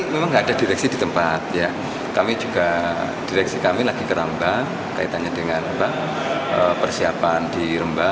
memang tidak ada direksi di tempat direksi kami lagi ke rembah kaitannya dengan persiapan di rembah